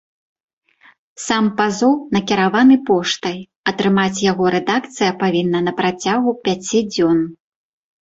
Сам пазоў накіраваны поштай, атрымаць яго рэдакцыя павінна на працягу пяці дзён.